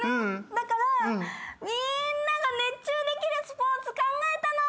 だからみんなが熱中できるスポーツ考えたの。